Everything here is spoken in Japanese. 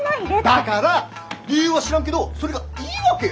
だから理由は知らんけどそれがいいわけよ。